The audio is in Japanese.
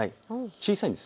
小さいんです。